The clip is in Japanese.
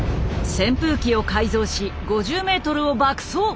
扇風機を改造し５０ｍを爆走！